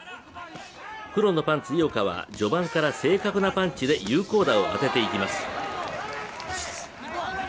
黒のパンツ・井岡は序盤から正確なパンチで有効打を当てていきます。